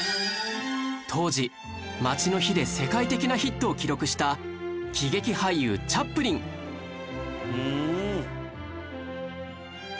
当時『街の灯』で世界的なヒットを記録した喜劇俳優チャップリンうーん！